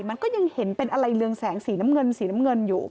มันก็ยังเห็นเป็นอะไรเรืองแสงสีน้ำเงินอยู่